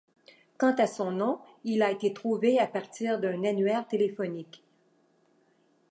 Quant à son nom, il a été trouvé à partir d'un annuaire téléphonique.